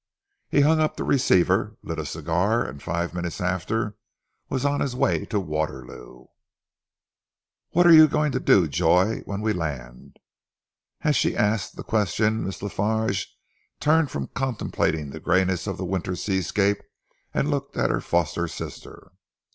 He hung up the receiver, lit a cigar, and five minutes after was on his way to Waterloo. "What are you going to do, Joy, when we land?" As she asked the question, Miss La Farge turned from contemplating the greyness of the winter seascape and looked at her foster sister.